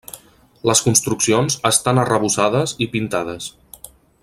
Les construccions estan arrebossades i pintades.